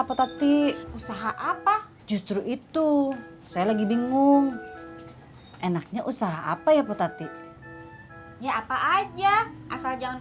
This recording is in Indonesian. potati usaha apa justru itu saya lagi bingung enaknya usaha apa ya potati ya apa aja asal jangan